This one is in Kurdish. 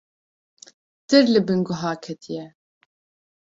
Tir li bin goha ketiye